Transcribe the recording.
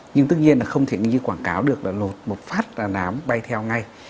nhưng tất nhiên là không thể như quảng cáo được là lột một phát là nám bay theo ngay